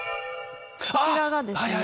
こちらがですね。